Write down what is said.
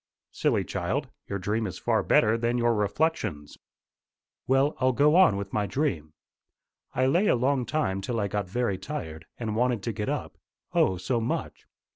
"Silly child! Your dream is far better than your reflections." "Well, I'll go on with my dream. I lay a long time till I got very tired, and wanted to get up, O, so much!